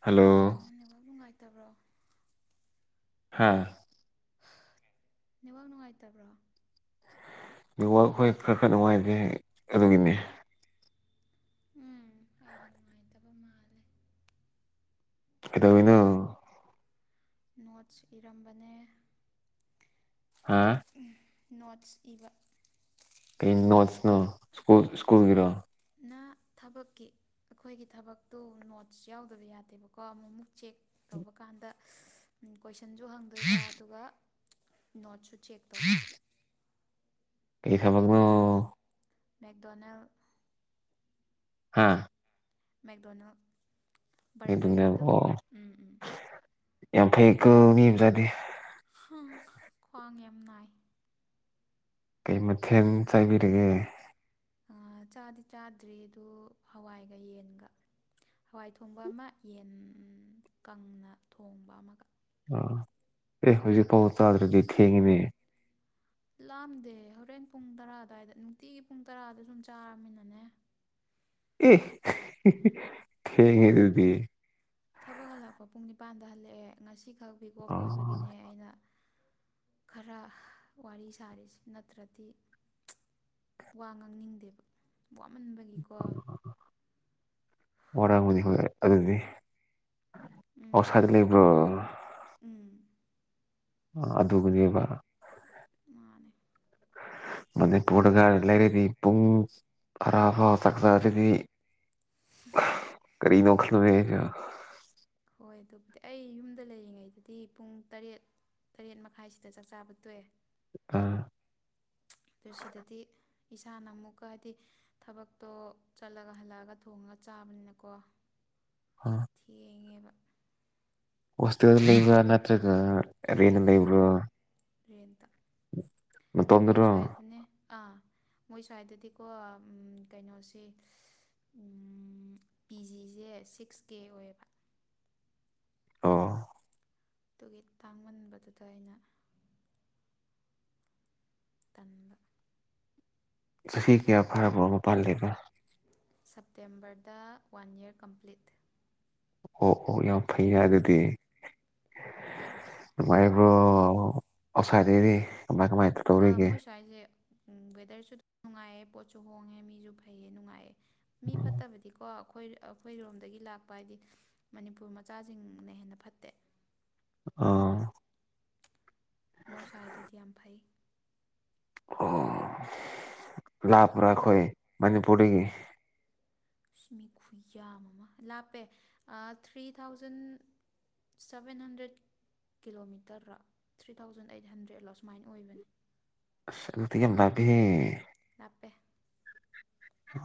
hello ꯠꯇꯕ꯭ꯔꯣ ꯍꯥꯥ ꯅꯦꯕꯥꯛ ꯅꯨꯡꯉꯥꯏꯇꯕ꯭ꯔꯣ ꯋꯥ ꯑꯩꯈꯣꯏ ꯈꯔ ꯈꯔ ꯅꯨꯡꯉꯥꯏꯖꯦ ꯑꯗꯨꯒꯤꯅꯤ ꯎꯝ ꯑꯩꯒꯤ ꯅꯨꯡꯉꯥꯏꯇꯕ ꯃꯥꯜꯂꯦ ꯀꯗꯅ ꯅꯣꯠꯁ ꯏꯔꯝꯕꯅꯦ ꯍꯥꯥ ꯅꯣꯠꯁ ꯏꯕ ꯀ ꯅꯣꯠꯁ ꯅ ꯁꯀꯨꯜ ꯁꯀꯨꯜꯒꯔꯣ [inaudible] ꯊꯕꯛꯀꯤ ꯑꯩꯈꯣꯏꯒꯤ ꯊꯕꯛꯇꯨ ꯅꯣꯠꯁ ꯌꯥꯎꯗꯕ ꯌꯥꯗꯦꯕꯀꯣ ꯑꯃꯨꯛ ꯑꯃꯨꯛ ꯆꯦꯛ ꯇꯧꯕ ꯀꯥꯟꯗ ꯀ ꯁꯟꯁꯨ ꯍꯪꯗꯣꯏꯕ ꯑꯗꯨꯒ ꯅꯣꯠꯁꯨ ꯆꯦꯛ ꯇꯧꯕ ꯑꯩ ꯁꯛꯅ ꯃꯦꯦꯛꯗꯣꯅꯦꯜ ꯍꯥꯥ ꯃꯦꯛꯦꯛꯗꯣꯅꯥꯜ ꯑꯗꯨꯅꯦ ꯔꯒꯔꯒꯤꯗꯨ ꯑꯣ ꯎꯝ ꯎꯝ ꯌꯥꯝ ꯐꯩꯀ ꯃꯤ ꯑꯃꯖꯥꯠꯅꯤꯦ ꯈ꯭ꯋꯥꯡ ꯌꯥꯝ ꯅꯥꯏ ꯀꯩ ꯃꯊꯦꯜ ꯆꯥꯏꯕꯤꯔꯒꯦ ꯆꯥꯗꯤ ꯆꯥꯗ꯭ꯔꯤ ꯑꯗꯨ ꯍꯋꯥꯏꯒ ꯌꯦꯟꯒ ꯍꯋꯥꯏ ꯊꯣꯡꯕ ꯑꯃ ꯌꯦꯟ ꯀꯪꯅ ꯊꯣꯡꯕ ꯑꯃꯒ ꯑꯦ ꯍꯧꯖꯤꯛꯐꯥꯎ ꯆꯥꯗ꯭ꯔꯗꯤ ꯊꯦꯡꯉꯤꯅꯦ ꯂꯥꯝꯗꯦ ꯍꯣꯔꯦꯟ ꯄꯨꯡ ꯇꯔꯥ ꯑꯗꯨ꯭ꯋꯥꯏꯗ ꯅꯨꯡꯇꯤꯒꯤ ꯄꯨꯡ ꯇꯔꯥꯗ ꯁꯨꯝ ꯆꯥꯔꯃꯤꯅꯅꯦ ꯊꯦꯡꯉ ꯑꯗꯨꯗꯤ ꯊꯕꯛ ꯍꯜꯂꯛꯄ ꯄꯨꯡ ꯅꯤꯄꯥꯟꯗ ꯍꯜꯂꯛꯑꯦ ꯉꯁꯤꯈꯛ ꯕꯤꯒ ꯑꯣꯐ ꯑꯣ ꯑꯣꯏꯕꯒꯤꯅꯦ ꯑꯩꯅ ꯈꯔ ꯋꯥꯔꯤ ꯁꯥꯔꯤꯁꯦ ꯅꯠꯇ꯭ꯔꯗꯤ ꯋꯥ ꯉꯥꯡꯅꯤꯡꯗꯦꯕ ꯋꯥꯃꯟꯕꯒꯤꯀꯣ ꯋꯥꯔꯝꯒꯅꯤ ꯍꯣꯏ ꯑꯗꯨꯗꯤ ꯑ ꯎꯝ ꯁ꯭ꯋꯥꯏꯗ ꯑꯗꯨꯒ ꯂꯩꯕ꯭ꯔꯣ ꯎꯝ ꯑꯗꯨꯗꯕꯨꯗꯤꯕꯔ ꯃꯥꯅꯦ ꯃ ꯄꯣꯠꯒ ꯂꯩꯔꯤꯗꯤ ꯄꯨꯡꯨꯡ ꯈꯔꯥꯕꯁꯛꯇ ꯑꯗꯨꯗꯤ ꯀꯔꯤ ꯅꯣꯈꯜꯂꯣ ꯀ ꯍꯣꯏ ꯑꯗꯨꯕꯨꯗꯤ ꯑꯩ ꯌꯨꯝꯗ ꯂꯩꯔꯤꯉꯩꯗꯗꯤ ꯄꯨꯡ ꯇꯔꯦꯠ ꯇꯔꯦꯠ ꯃꯈꯥꯏꯁꯤꯗ ꯆꯥꯛꯆꯥꯥꯕ ꯇꯣꯛꯑꯦ ꯑꯥ ꯑꯗꯨ ꯁꯤꯗꯗꯤ ꯏꯁꯥꯅ ꯑꯃꯨꯛꯀ ꯍꯥꯏꯗꯤ ꯊꯕꯛꯇꯣ ꯆꯠꯂꯒ ꯍꯜꯂꯛꯑꯒ ꯊꯣꯡꯉꯒ ꯆꯥꯕꯅꯤꯅꯀꯣ [inaudible] ꯊ ꯏ ꯋꯥꯁ ꯂꯩꯕ꯭ꯔ ꯅꯠꯇ꯭ꯔꯒ ꯔꯅ ꯂ ꯏꯕ꯭ꯔꯣ ꯔꯌꯦꯦꯟꯇ ꯃꯣꯏꯁꯗꯅꯦ ꯑꯥ ꯃꯣꯏ ꯁ꯭ꯋꯥꯏꯗꯗꯤꯀꯣ ꯀꯩꯅꯣꯁꯦ ꯄꯤ ꯖꯤꯁꯦ ꯁꯤꯛꯁ ꯀꯦ ꯑꯣꯏꯌꯦꯕ ꯑꯣ ꯑꯗꯨꯒꯤ ꯇꯥꯡꯃꯟꯕꯗꯨꯗ ꯑꯩꯅ ꯀꯟꯕ ꯉ ꯀꯌꯥ ꯐꯔꯕꯣ ꯃꯄꯥꯟ ꯂꯩꯅꯣ ꯁꯦꯞꯇꯦꯝꯕꯔꯗ ꯋꯥꯟ ꯌꯔ ꯀꯝꯄ꯭ꯂꯤꯠ ꯑꯣ ꯑꯣ ꯌꯥꯝ ꯐꯩ ꯍꯥꯏ ꯑꯗꯨꯗꯤ ꯥꯏꯕꯨ꯭ꯔꯣ ꯋꯥꯏ ꯑꯆꯥꯥꯏꯗꯦꯔꯤ ꯀꯃꯥꯏ ꯀꯃꯥꯏꯅ ꯇꯧ ꯇꯧꯔꯤꯒꯦ ꯎꯝ ꯋꯦꯗꯔꯁꯨꯝ ꯅꯨꯡꯉꯥꯏꯌꯦ ꯄꯣꯠꯁꯨ ꯍꯣꯡꯉꯦ ꯃꯤꯁꯨ ꯐꯩꯌꯦ ꯅꯨꯡꯉꯥꯏꯌꯦ ꯃꯤ ꯐꯠꯇꯕꯗꯤꯀꯣ ꯑꯩꯈꯣꯏ ꯑꯩꯈꯣꯏꯔꯣꯝꯗꯒꯤ ꯂꯥꯛꯄ ꯍꯥꯏꯗꯤ ꯃꯅꯤꯄꯨꯔ ꯃꯆꯥꯁꯤꯡꯅ ꯍꯦꯟꯅ ꯐꯠꯇꯦ ꯑꯥ ꯃꯣꯏ ꯁ꯭ꯋꯥꯏꯗꯗꯤ ꯌꯥꯝ ꯐꯩ ꯑꯣ ꯂꯥꯄꯔꯥꯈꯣꯏ ꯃꯅꯤꯄꯨꯔꯦꯒꯤ ꯃꯤ ꯈꯨꯨ ꯌꯥꯝ ꯑꯃ ꯂꯥꯞꯄꯦ ꯊ꯭ꯔꯤ ꯊꯥꯎꯖꯟ ꯁꯚꯦꯟ ꯍꯟꯗ꯭ꯔꯦꯠ ꯀꯤꯂꯣꯃꯤꯇꯔꯔ ꯊ꯭ꯔꯤ ꯊꯥꯎꯖꯟ ꯑꯩꯠ ꯍꯟꯗ꯭ꯔꯦꯗꯂꯣ ꯁꯨꯃꯥꯏꯅ ꯑꯣꯏꯕꯅꯦ ꯁꯗꯤ ꯀꯅꯥꯕꯤ ꯂꯥꯞꯄꯦ ꯍ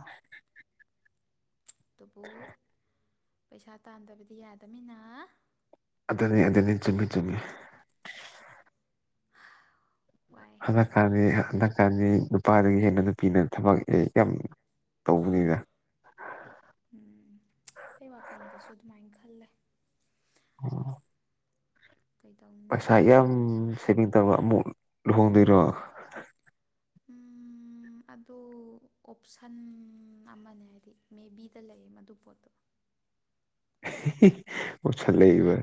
ꯑꯗꯨꯕꯨ ꯄꯩꯁꯥ ꯇꯥꯟꯗꯕꯗꯤ ꯌꯥꯗꯃꯤꯅ ꯑꯗꯨꯗꯅꯤ ꯑꯗꯨꯗꯅꯤ ꯆꯨꯝꯃꯤ ꯆꯨꯝꯃꯤ ꯋꯥꯏ ꯍꯟꯗꯛꯀꯥꯟꯗꯤ ꯍꯟꯗꯛꯀꯥꯟꯗꯤ ꯅꯨꯄꯥꯗꯒꯤ ꯍꯦꯟꯅ ꯅꯨꯄꯤꯅ ꯊꯕꯛ ꯑꯦ ꯌꯥꯝ ꯇꯧꯕꯅꯤꯒ ꯎꯝ ꯑꯩ ꯋꯥꯈꯜꯗꯁꯨ ꯑꯗꯨꯃꯥꯏꯅ ꯈꯜꯂꯦ ꯑ ꯀꯩꯗꯧꯅꯤ ꯑꯁ ꯌꯥꯝ ꯌꯥꯝ ꯌꯥꯝ ꯁꯤꯃꯤ ꯇꯨꯛ ꯂꯗꯔꯣ ꯎꯝ ꯑꯗꯨ ꯑꯣꯞꯁꯟ ꯑꯃꯅꯦ ꯍꯥꯏꯗꯤ ꯃꯦꯕꯤꯗ ꯂꯩꯌꯦ ꯃꯗꯨ ꯄꯣꯠꯇꯣ ꯑꯣꯁꯂ ꯂꯩ ꯏꯕ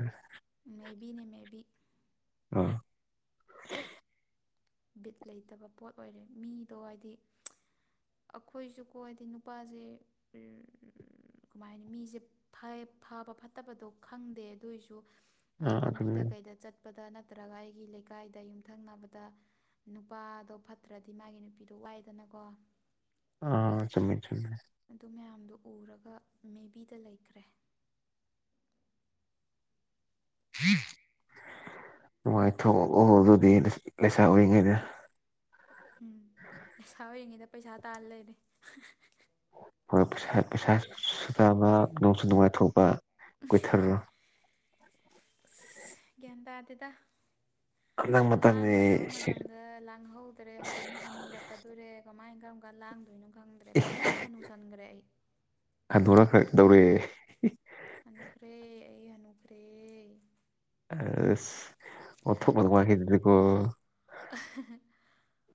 ꯃꯦꯕꯤꯅꯦ ꯃꯦꯕꯤ ꯑꯥ ꯕꯤꯠ ꯂꯩꯇꯕ ꯄꯣꯠ ꯑꯣꯏꯔꯦ ꯃꯤꯗꯣ ꯍꯥꯏꯗꯤ ꯑꯩꯈꯣꯏꯁꯨꯀꯣ ꯍꯥꯏꯗꯤ ꯅꯨꯄꯥꯁꯦ ꯀꯃꯥꯏꯅ ꯃꯤꯁꯦ ꯐꯥꯏ ꯐꯕ ꯐꯠꯇꯕꯗꯣ ꯈꯪꯗꯦ ꯑꯗꯨꯑꯣꯏꯁꯨ ꯑꯥ ꯂꯝꯕꯤꯗ ꯑꯗꯨꯅꯦ ꯀꯩꯗ ꯆꯠꯄꯗ ꯅꯠꯇ꯭ꯔꯒ ꯑꯩꯒꯤ ꯂꯩꯀꯥꯏꯗ ꯌꯨꯝꯊꯪꯅꯕꯗ ꯅꯨꯄꯥꯗꯣ ꯐꯠꯇ꯭ꯔꯗꯤ ꯃꯥꯒꯤ ꯅꯨꯄꯤꯗꯣ ꯋꯥꯏꯗꯅꯀꯣ ꯑ ꯆꯨꯝꯃꯦ ꯆꯨꯝꯃꯦ ꯑꯗꯨ ꯃꯌꯥꯝꯗꯨꯣ ꯎꯔꯒ ꯃꯦ ꯕꯤꯗ ꯂꯩꯈ꯭ꯔꯦ ꯍ [unintelligible] ꯅꯨꯡꯉꯥꯏꯊꯣꯛꯑꯣ ꯑꯗꯨꯗꯤ ꯂꯩꯁꯥ ꯑꯣꯏꯔꯤꯉꯩꯗ ꯎꯝ ꯂꯩꯁꯥ ꯑꯣꯏꯔꯤꯉꯩꯗ ꯄꯩꯁꯥ ꯇꯥ ꯂꯩꯔꯦ ꯩ ꯄꯩꯁꯥꯗꯕ ꯅꯣꯡꯁꯨ ꯅꯨꯡꯉꯥꯏꯊꯣꯛꯄ ꯀꯣꯏꯊꯣ ꯒ꯭ꯌꯥꯟ ꯇꯥꯗꯗ ꯍꯟꯗꯛ ꯃꯇꯝꯗꯤ ꯂꯥꯡꯒꯗꯕ ꯃꯇꯝꯗ ꯂꯥꯡꯍꯧꯗ꯭ꯔꯦ ꯍꯧꯖꯤꯛꯅ ꯍꯨꯔꯛꯀꯗꯔꯦ ꯀꯃꯥꯏꯅ ꯀꯔꯝ ꯀ ꯂꯥꯡꯗꯣꯏꯅꯣ ꯈꯪꯗ꯭ꯔꯦ ꯄꯥꯡꯉꯨꯗ ꯍꯅꯨꯁꯟꯈ꯭ꯔꯦ ꯑꯩ ꯇꯧꯔꯦ ꯍꯅꯨꯈ꯭ꯔꯦ ꯑꯩ ꯍꯅꯨꯈ꯭ꯔꯦ ꯑ ꯑꯣꯊꯣ ꯀ ꯃꯥꯈꯤꯀꯣ [unintelligible]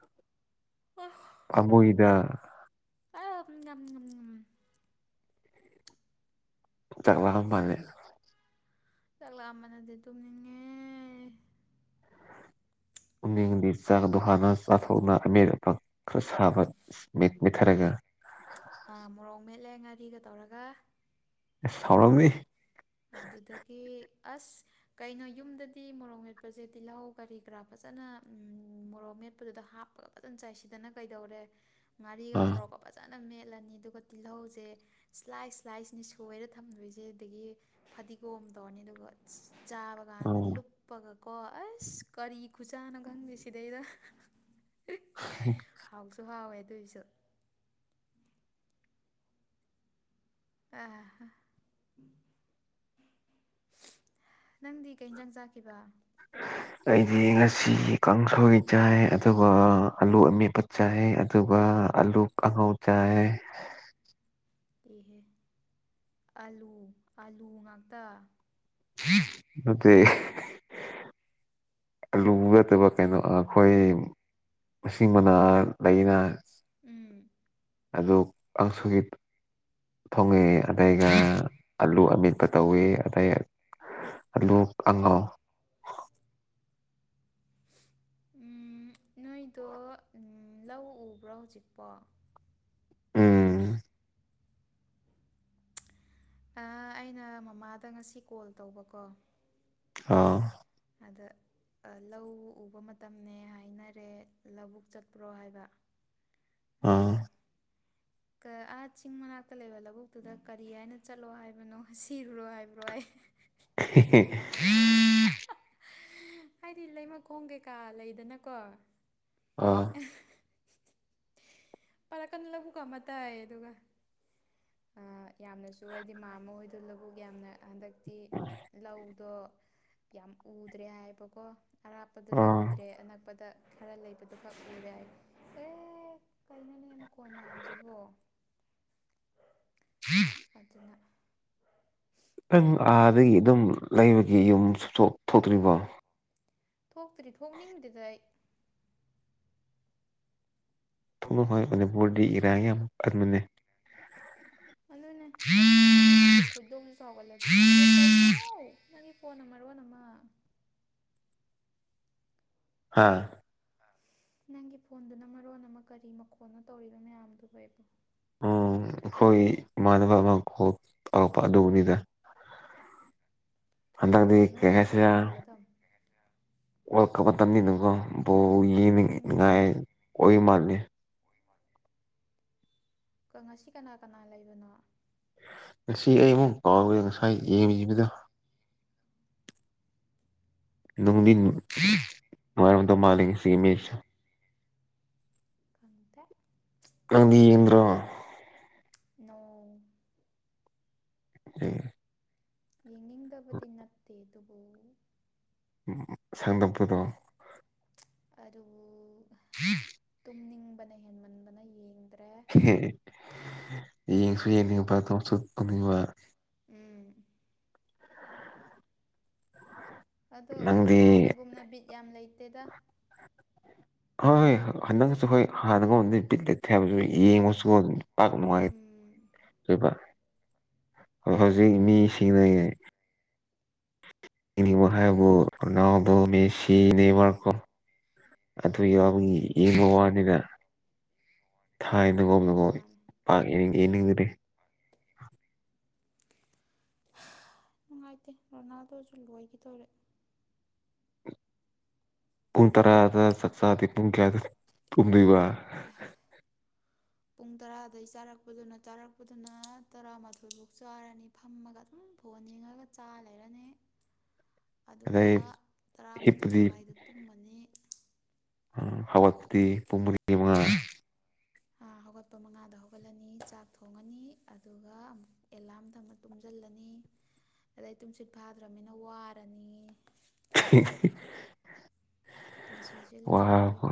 ꯑ ꯑꯕꯨꯏꯗ ꯑꯝ ꯇꯔꯕꯥꯝ ꯄꯅꯤ ꯆꯥꯛꯂꯛꯑꯝꯕꯅꯗꯤ ꯇꯨꯝꯅꯤꯡꯉꯦ ꯎꯅꯤꯡꯗꯤ ꯆꯥꯛꯗꯣ ꯍꯥꯟꯅ ꯆꯥꯊꯣꯛꯅ ꯑꯃꯦꯠ ꯑꯄ ꯈꯔ ꯁꯥꯕ ꯃꯠꯊꯔꯒ ꯑꯥ ꯃꯣꯔꯣꯛ ꯃꯦꯠꯂꯦ ꯉꯥꯔꯤꯒ ꯇꯧꯔꯒ ꯁꯥꯎꯔꯝ ꯑꯗꯨ ꯑꯗꯨꯗꯒꯤ ꯑꯁ ꯀꯩꯅꯣ ꯌꯨꯝꯗꯗꯤ ꯃꯣꯔꯣꯡ ꯃꯦꯠꯄꯁꯦ ꯇꯤꯜꯍꯧ ꯀꯔꯤ ꯀꯔꯥ ꯐꯖꯅ ꯃꯣꯔꯣꯛ ꯃꯦꯠꯄꯗꯨ ꯍꯥꯞꯄ ꯐꯖ ꯆꯗꯅ ꯀꯩꯗꯧꯔꯦ ꯉꯥꯒ ꯃ ꯑꯥ ꯐ ꯅ ꯃꯦꯠꯂꯅꯤ ꯑꯗꯨꯒ ꯇꯤꯜꯍꯧꯁꯦ ꯁ꯭ꯂꯥꯏ ꯁ꯭ꯂꯥꯏꯁꯅꯤ ꯁꯣꯏꯔ ꯊꯝꯗꯣꯏꯁꯦ ꯑꯗꯒꯤ ꯐꯗꯤꯒꯣꯝ ꯇꯧꯔꯅꯤ ꯑꯗꯨꯒ ꯆꯥꯕ ꯀꯥꯟꯗ ꯑꯣ ꯂꯨꯞꯄꯒ ꯀꯣ ꯑꯁ ꯀꯔꯤ ꯈꯨꯆꯥꯥꯅꯣ ꯈꯪꯗꯦ ꯁꯤꯗꯩꯗ ꯍꯥꯎꯁꯨ ꯍꯥꯎꯋꯦ ꯑꯗꯨꯏꯁꯨ ꯑ ꯅꯪꯗꯤ ꯀꯩ ꯌꯦꯟꯁꯥꯡ ꯆꯥꯈꯤꯕ ꯎ [unintelligible] [unintelligible] ꯑꯩꯗꯤ ꯉꯁꯤ ꯀꯥꯡꯁꯣꯏ ꯆꯥꯏ ꯑꯗꯨꯒ ꯑꯂꯨ ꯑꯃꯦꯠꯄ ꯆꯥꯏ ꯑꯗꯨꯒ ꯑ ꯑꯂꯨ ꯀꯥꯡꯉꯧ ꯆꯥꯏ ꯏꯍꯦ ꯑꯥꯂꯨ ꯑꯥꯂꯨ ꯉꯥꯛꯇ ꯅꯠꯇꯦ ꯑꯂꯨ ꯅꯠꯇꯕ ꯀꯩꯅꯣ ꯑꯩꯈꯣꯏ ꯃꯁꯤꯡ ꯃꯅꯥ ꯂꯩꯅ ꯎꯝ ꯑꯗꯨ ꯀꯥꯡꯁꯣꯏ ꯊꯣꯡꯉꯦ ꯑꯗꯨꯒ ꯑꯂꯨ ꯑꯃꯦꯠꯄ ꯇꯧꯋꯦ ꯑꯗꯩ ꯑꯥꯂꯨ ꯑꯉꯧ [inaudible] ꯎꯝ, [inaudible] ꯅꯣꯏꯗꯣ ꯂꯧ ꯎꯕ꯭ꯔꯥ ꯍꯧꯖꯤꯛꯄꯣ ꯎꯝ ꯑꯥꯥ ꯑꯩꯅ ꯃꯃꯥꯗ ꯉꯁꯤ ꯀꯣꯜ ꯇꯧꯕꯀꯣ ꯑꯥ ꯑꯗ ꯂꯧ ꯎꯕ ꯃꯇꯝꯅꯦ ꯍꯥꯏꯅꯔꯦ ꯂꯕꯨꯛ ꯆꯠꯄ꯭ꯔꯣ ꯍꯥꯏꯕ ꯑꯥ ꯑꯗꯨꯒ ꯑꯥ ꯆꯤꯡ ꯃꯅꯥꯛꯇ ꯂꯩꯕ ꯂꯧꯕꯨꯛꯇꯨꯗ ꯀꯔꯤ ꯍꯥꯏꯅ ꯆꯠꯂꯣ ꯍꯥꯏꯕꯅꯣ ꯁꯤꯔꯨꯔꯣ ꯍꯥꯏꯕ꯭ꯔꯣ ꯍꯥꯏ ꯑꯦ [inaudible] [inaudible] ꯍꯥꯏꯗꯤ ꯂꯩꯃꯈꯣꯡ ꯀꯩꯀꯥ ꯂꯩꯗꯅꯀꯣ ꯑꯥ ꯄꯜꯂꯛꯀꯥꯅꯣ ꯂꯧꯕꯨꯛꯀꯥ ꯑꯃꯇꯥꯌꯦ ꯑꯗꯨꯒ ꯑꯥ ꯌꯥꯝꯅꯁꯨ ꯍꯥꯏꯗꯤ ꯃꯥꯝꯃꯥ ꯍꯣꯏꯗꯣ ꯂꯧꯕꯨꯛ ꯌꯥꯝꯅ ꯍꯟꯗꯛ ꯂꯧꯗꯣ ꯌꯥꯝ ꯎꯗ꯭ꯔꯦ ꯍꯥꯏꯕꯀꯣ ꯑꯔꯥꯞꯄꯗꯨꯗ ꯑꯥ ꯎꯗ꯭ꯔꯦ ꯑꯅꯛꯄꯗ ꯈꯔ ꯂꯩꯕꯗꯨꯈꯛ ꯎꯔꯦ ꯍꯥꯏ ꯑꯦ ꯀꯩꯅꯣꯅꯦ ꯃꯈꯣꯟ ꯃꯌꯥꯝꯁꯤꯕꯣ ꯑꯗꯨꯅ ꯅꯪ ꯑꯥꯗꯒꯤ ꯑꯗꯨꯝ ꯂꯩꯕꯒꯤ ꯌꯨꯝ ꯁꯨꯊꯣꯛ ꯊꯣꯛꯇ꯭ꯔꯤꯕꯣ ꯊꯣꯛꯇ꯭ꯔꯤ ꯊꯣꯛꯅꯤꯡꯗꯦꯗ ꯑꯩ ꯊꯣꯛꯎꯅꯣ ꯍꯣꯏ ꯃꯅꯤꯄꯨꯔꯗꯤ ꯏꯔꯥꯡ ꯌꯥꯝ ꯀꯟꯕꯅꯦ ꯑ ꯑꯗꯨꯅꯦ ꯅꯨꯡꯁꯨ ꯅꯨꯡꯁꯤꯗꯦ ꯈꯣꯏꯗꯧꯁꯨ ꯁꯥꯎꯒꯠꯂꯦ ꯊꯣꯛꯅꯤꯡꯗꯦ ꯀꯩꯅꯣ ꯐꯅꯃ [unintelligible] ꯔꯣꯅꯃ ꯍꯥꯥ ꯅꯪꯒꯤ ꯐꯣꯟꯗꯨꯅ ꯃꯔꯣꯟ ꯑꯃ ꯀꯔꯤ ꯃꯈꯣꯟꯅꯣ ꯇꯧꯔꯤꯕ ꯃꯌꯥꯝꯗꯨꯕꯣ ꯑꯩꯕꯣ ꯎꯝ ꯑꯩꯈꯣꯏ ꯏꯃꯥꯟꯅꯕ ꯑꯃ ꯀꯣꯜ ꯇꯧꯔꯛꯄ ꯑꯗꯨꯕꯨꯅꯤꯗ [unintelligible] ꯍꯟꯗꯛꯇꯗꯤ ꯗꯨ ꯅꯣꯠ ꯀꯔꯤ ꯗꯤꯁꯇꯔꯕ ꯍꯥꯏꯁꯤꯔ ꯊꯝꯖꯤꯜꯂ ꯊꯝꯃꯨ ꯋꯥꯜꯀꯞ ꯃꯇꯝ ꯅꯤꯅꯥ ꯀꯣ ꯕꯣꯜ ꯌꯦꯡꯅꯤꯡ ꯉꯥꯏ ꯎꯝ ꯑꯣꯏꯕ ꯃꯥꯥꯜꯂꯦ ꯉꯁꯤ ꯀꯅꯥ ꯀꯅꯥ ꯂꯩꯕꯅꯣ ꯉꯁꯤ ꯑꯩ ꯑꯃꯨꯛ ꯀꯥꯎꯒꯦ ꯉꯁꯥꯏ ꯌꯦꯡꯒꯤꯕꯗ ꯅꯨꯡꯗꯤ ꯅꯨꯉꯥꯏꯔꯝꯒꯗꯕ ꯃꯥꯜꯂꯤꯉꯁꯤ ꯃꯦꯁ ꯁꯦ ꯈꯪꯗ ꯅꯪꯗꯤ ꯌꯦꯡꯗ꯭ꯔꯣ ꯅꯣ ꯎꯝ ꯌꯦꯡꯅꯤꯡꯗꯕꯗꯤ ꯅꯠꯇꯦ ꯑꯗꯨꯕꯨ ꯎꯝ ꯁꯪꯗꯕꯔꯣ ꯑꯗꯨꯕꯨ ꯍꯥꯝ ꯅꯤꯡꯕꯅ ꯍꯦꯟꯃꯟꯕꯅ ꯌꯦꯡꯗ꯭ꯔꯦ ꯌꯦꯡꯁꯨ ꯌꯦꯡꯅꯤꯡꯕ ꯑꯗꯨꯣꯡꯁꯨ ꯄꯨꯅꯤꯡꯕ ꯎꯝ ꯑꯗꯣ ꯅꯪꯗꯤ ꯍꯥꯟꯅꯒꯨꯝꯅ ꯕꯤꯠ ꯌꯥꯝ ꯂꯩꯇꯦꯗ ꯍꯣꯏꯣꯏ ꯍꯟꯗꯛꯁꯨ ꯍꯣꯏ ꯍꯥꯟꯅꯒꯠ ꯍꯥꯏꯕꯁꯨ ꯌꯦꯡꯉꯁꯨ ꯄꯥꯛ ꯅꯉꯥꯏ ꯎꯝ ꯆꯣꯏꯕ ꯑꯗꯨꯅꯦ ꯍꯖꯤꯛ ꯕꯤꯠ ꯃꯤ ꯂꯩꯇꯦ ꯁꯤꯁꯤꯡꯉ ꯏꯕ ꯍꯥꯏꯥꯏꯕꯕ ꯃꯦꯁꯤ ꯅꯦꯕꯔꯀꯣ ꯑꯗꯨ ꯎ ꯌꯥꯎꯕꯒꯤ ꯎꯝ ꯌꯦꯡꯕ ꯋꯥꯅꯤꯅ ꯊꯥꯏ ꯅꯒꯣ ꯉꯣ ꯃꯥꯅꯦ ꯄꯥꯛ ꯏꯅꯤꯡ ꯌꯦꯅꯤꯔꯦ ꯅꯨꯡꯉꯥꯏꯇꯦ ꯔꯣꯅꯥꯜꯗꯣꯁꯨ ꯂꯣꯏꯈꯤꯗꯔꯦ ꯄꯨꯡ ꯇꯔꯥꯗ ꯆꯥꯛ ꯆꯗꯤ ꯄꯨꯡ ꯀꯌꯥꯗ ꯀꯨꯝꯗꯣꯏꯕ [inaudible] ꯄꯨꯡ ꯇꯔꯥꯗꯒꯤꯩ ꯆꯥꯔꯛꯄꯗꯨꯅ ꯆꯥꯔꯛꯄꯗꯨꯅ ꯇꯔꯥꯃꯥꯊꯣꯏꯐꯧ ꯆꯥꯔꯅꯤ ꯐꯝꯃꯒ ꯑꯗꯨꯝ ꯐꯣꯡꯅꯤ ꯐꯅꯤꯡꯉꯒ ꯆꯥ ꯂꯩꯔꯅꯤ [inaudible] ꯑꯗꯨꯒ ꯇꯔꯥꯃꯥꯊꯣꯏ ꯍꯤꯞꯄꯗꯤ ꯃꯈꯥꯏꯗ ꯇꯨꯝꯃꯅꯤ ꯍꯧꯕꯠꯇꯤ ꯄꯨꯡ ꯃꯔꯤ ꯃꯉꯥ ꯍꯧꯒꯠꯄ ꯃꯉꯥꯗ ꯍꯧꯒꯠꯂꯅꯤ ꯆꯥꯛ ꯊꯣꯡꯉꯅꯤ ꯑꯗꯨꯒ ꯑꯃꯨꯛ ꯑꯦꯂꯥꯝꯗꯪꯅ ꯇꯨꯝꯁꯤꯜꯂꯅꯤ ꯑꯗꯩ ꯇꯨꯝꯁꯤꯠ ꯐꯥꯗ꯭ꯔꯅꯤꯅ ꯋꯥꯔꯅꯤ [inaudible] ꯄꯨꯟꯁꯤꯁꯦ ꯂꯣꯏꯔꯦ ꯋꯥꯕ ꯑꯣꯏꯕ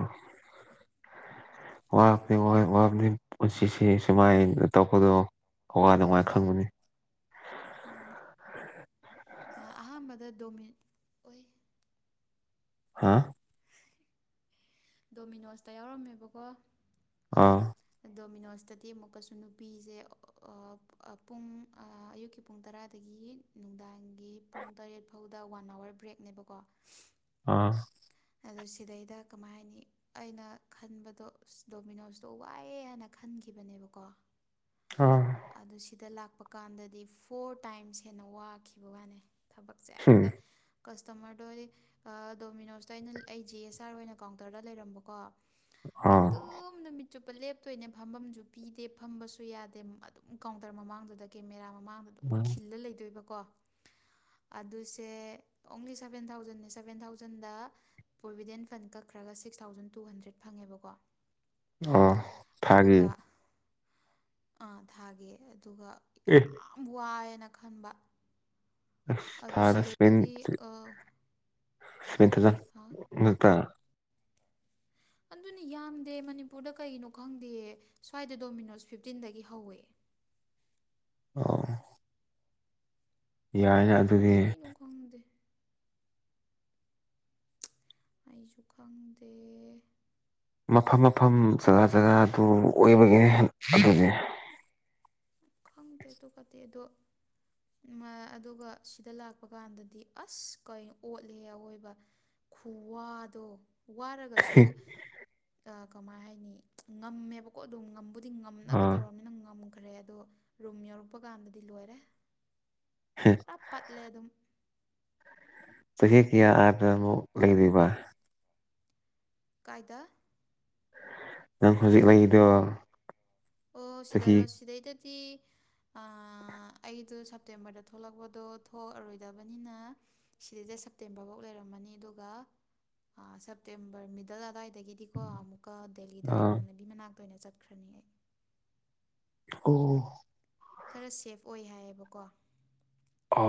ꯋꯥꯅꯤ ꯋꯥꯅꯤ ꯄꯨꯟꯁꯤꯁꯤ ꯁꯨꯃꯥꯏ ꯇꯧꯕꯗꯣ ꯍꯋꯥ ꯅꯨꯡꯉꯥꯏꯅ ꯈꯪꯕꯅꯤ ꯃꯥꯅꯦ ꯑꯍꯥꯟꯕꯗ ꯗꯣꯃꯤꯠ ꯑꯣꯏ ꯍꯥꯥ ꯗꯣꯃꯤꯅꯣꯁꯇ ꯌꯥꯎꯔꯝꯃꯦꯕꯀꯣ ꯑꯥ ꯗꯣꯃꯤꯅꯣꯁꯇꯗꯤ ꯑꯃꯨꯛꯀꯁꯨ ꯅꯨꯄꯤꯁꯦ ꯄꯨꯡ ꯑꯌꯨꯛꯀꯤ ꯄꯨꯡ ꯇꯔꯥꯗꯒꯤ ꯅꯨꯡꯗꯥꯡꯒꯤ ꯄꯨꯡ ꯇꯔꯦꯠ ꯐꯥꯎꯗ ꯋꯥꯟ ꯑꯋꯥꯔ ꯕ꯭ꯔꯦꯛꯅꯦꯕꯀꯣ ꯑꯥ ꯑꯗꯨ ꯁꯤꯗꯩꯗ ꯀꯃꯥꯏꯅꯤ ꯑꯩꯅ ꯈꯟꯕꯗꯣ ꯗꯣꯃꯤꯅꯣꯁꯇꯣ ꯋꯥꯏꯑꯦ ꯍꯥꯏꯅ ꯈꯟꯒ ꯈꯪꯈꯤꯕꯅꯦꯕꯀꯣ ꯑꯥ ꯑꯗꯨ ꯁꯤꯗ ꯂꯥꯛꯄ ꯀꯥꯟꯗꯗꯤ ꯐꯣꯔ ꯇꯥꯏꯝꯁ ꯍꯦꯟꯅ ꯋꯥꯈꯤꯕ ꯋꯥꯅꯦ ꯊꯕꯛꯁꯦ ꯍꯝ ꯑꯦꯛꯇ ꯀꯁꯇꯃꯔꯗꯣ ꯗꯣꯃꯤꯅꯣꯁꯇ ꯑꯩꯅ ꯑꯩ ꯖꯤ ꯑꯦꯁ ꯑꯥꯔ ꯑꯣꯏꯅ ꯀꯥꯎꯟꯇꯔꯗ ꯂꯩꯔꯝꯕꯀꯣ ꯑꯗꯨꯝ ꯅꯨꯃꯤꯠ ꯆꯨꯞꯄ ꯂꯦꯞꯇꯣꯏꯅꯦ ꯐꯝꯐꯝꯁꯨ ꯄꯤꯗꯦ ꯐꯝꯕꯁꯨ ꯌꯥꯗꯦ ꯑꯗꯨꯝ ꯀꯥꯎꯟꯇꯔ ꯃꯃꯥꯡꯗꯨꯗ ꯀꯦꯃꯦꯔꯥ ꯃꯃꯥꯡꯗ ꯑꯗꯨꯝ ꯑꯥ ꯈꯤꯜꯂ ꯂꯩꯗꯣꯏꯕꯀꯣ ꯑꯗꯨꯁꯦ ꯑꯣꯡꯂꯤ ꯁꯚꯦꯟ ꯊꯥꯎꯖꯟꯦ ꯁꯚꯦꯟ ꯊꯥꯎꯖꯟꯗ ꯄ꯭ꯔꯣꯚꯤꯗꯦꯟ ꯐꯟ ꯀꯛꯈ꯭ꯔꯦ ꯅꯠꯇ꯭ꯔꯒ ꯁꯤꯛꯁ ꯊꯥꯎꯖꯟ ꯇꯨ ꯍꯟꯗ꯭ꯔꯦꯗ ꯐꯪꯉꯦꯕꯀꯣ ꯑ ꯊꯥꯒꯦ ꯑꯥ ꯊꯥꯒꯦ ꯑꯗꯨꯒ ꯑꯦ ꯌꯥꯝ ꯋꯥꯏꯅ ꯅ ꯈꯟꯕ ꯑꯗꯨ ꯁꯅꯁꯃꯤꯦꯟ ꯁꯤꯗꯩꯗꯗꯤ ꯃꯠꯇꯖ ꯍꯥ ꯅꯛꯇ ꯑꯗꯨꯅꯤ ꯌꯥꯝꯗꯦ ꯃꯅꯤꯄꯨꯔꯗ ꯀꯩꯅꯣ ꯈꯪꯗꯦ ꯁ꯭ꯋꯥꯏꯗ ꯗꯣꯃꯤꯅꯣꯁ ꯐꯤꯐꯇꯤꯟꯗꯒꯤ ꯍꯧꯋꯦ [inaudible] ꯑꯣ ꯌꯥꯏ ꯌꯥ ꯀꯩꯅ ꯈꯪꯗꯦ ꯑꯩꯁꯨ ꯈꯪꯗꯦ ꯃꯐꯝ ꯃꯐꯝ ꯖꯒꯥ ꯖꯒꯥꯗꯨ ꯑꯣꯏꯕꯒꯦ ꯑꯗꯨꯗꯤ ꯈꯪꯗ꯭ꯔꯦ ꯑꯗꯨ ꯀꯠꯇꯦ ꯑꯗꯣ ꯑꯗꯨꯒ ꯁꯤꯗ ꯂꯥꯛꯄ ꯀꯥꯟꯗꯗꯤ ꯑꯁ ꯀ ꯑꯣꯠꯂꯦ ꯑꯋꯣꯏꯕ ꯈꯨꯋꯥꯗꯣ ꯋꯥꯔꯒꯁꯨ ꯀꯃꯥꯏ ꯍꯥꯏꯅꯤ ꯉꯝꯃꯦꯕꯀꯣ ꯑꯗꯨꯝ ꯑꯗꯨꯗꯤ ꯉꯝꯅꯕ ꯑꯥ ꯇꯧꯔꯕꯅꯤꯅ ꯉꯝꯈ꯭ꯔꯦ ꯑꯗꯣ ꯔꯨꯝ ꯌꯧꯔꯛꯄ ꯀꯥꯟꯗꯗꯤ ꯂꯣꯏꯔꯦ ꯄꯨꯔꯥꯞ ꯄꯠꯂꯦ ꯑꯗꯨꯝ ꯇ ꯌꯦ ꯀꯌꯥꯔꯛ ꯂꯩꯗꯕ ꯀꯥꯏꯗ ꯅꯪ ꯈꯖꯤꯛ ꯂꯩꯗ ꯑꯣ ꯁꯤꯗꯔꯣ ꯁꯤꯗꯩꯗꯗꯤ ꯑꯩꯗꯣ ꯁꯦꯞꯇꯦꯝꯕꯔꯗ ꯊꯣꯛꯂꯛꯄꯗꯣ ꯊꯣꯛꯂꯑꯔꯣꯏꯗꯕꯅꯤꯅ ꯁꯤꯩꯗ ꯁꯦꯞꯇꯦꯝꯕꯔ ꯐꯧ ꯂꯩꯔꯝꯃꯅꯤ ꯑꯗꯨꯒꯦꯞꯗꯜ ꯑꯗꯨꯏꯗ ꯑꯗꯒꯤꯗꯤꯀꯣ ꯑꯃꯨꯛꯀ ꯗꯦꯜꯂꯤꯗ ꯑꯥ ꯏꯃꯥꯟꯅꯕꯤ ꯃꯅꯥꯛꯇ ꯑꯣꯏꯅ ꯆꯠꯈ꯭ꯔꯅꯤ ꯑꯩ ꯑꯣ ꯈꯔ ꯁꯦꯐ ꯑꯣꯏ ꯍꯥꯏꯌꯦꯕꯀꯣ ꯑ